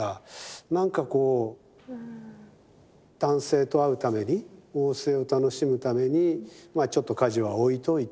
なんかこう男性と会うために逢瀬を楽しむためにちょっと家事はおいといて。